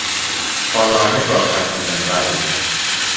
ออนไลน์ให้ปลอดภัยทำอย่างไร